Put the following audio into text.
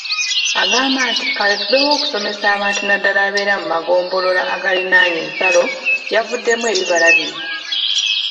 Agamba nti kaweefube w'okusomesa abantu naddala ababeera mu magombolola agaliranye ensalo yaavuddemu ebibala bino.